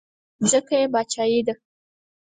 ځکه یې باچایي ده.